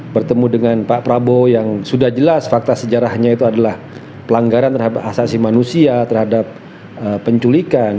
bertemu dengan pak prabowo yang sudah jelas fakta sejarahnya itu adalah pelanggaran terhadap asasi manusia terhadap penculikan